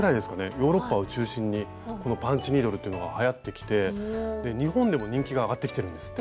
ヨーロッパを中心にこのパンチニードルというのがはやってきて日本でも人気が上がってきてるんですって。